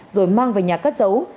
rồi mang về nhà cất giấu